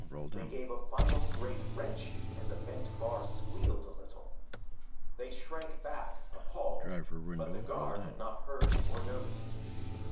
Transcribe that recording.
They gave a final great wrench and the bent bar squealed a little. They shrank back, appalled, but the guard had not heard or noticed.